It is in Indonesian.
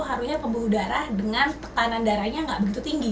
harusnya pembuluh darah dengan tekanan darahnya nggak begitu tinggi